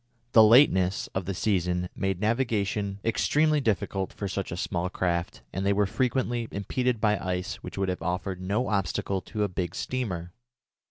The lateness of the season made navigation extremely difficult for such small craft, and they were frequently impeded by ice which would have offered no obstacle to a big steamer.